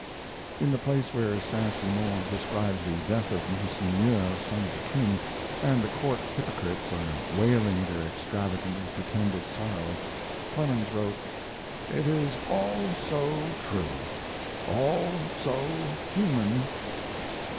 In the place where Saint Simon describes the death of Monseigneur, son of the king, and the court hypocrites are wailing their extravagantly pretended sorrow, Clemens wrote: It is all so true, all so human.